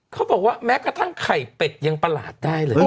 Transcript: เขาบอกว่าแม้กระทั่งไข่เป็ดยังประหลาดได้เลย